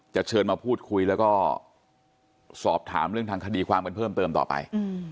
เชิญมาพูดคุยแล้วก็สอบถามเรื่องทางคดีความกันเพิ่มเติมต่อไป